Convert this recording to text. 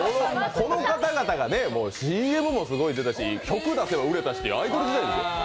この方々がＣＭもすごい出たし、曲出せばすごい売れたし、アイドル時代ですよ。